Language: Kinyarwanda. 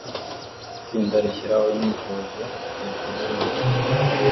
Itsinda rishyiraho imyitozo mukuzimu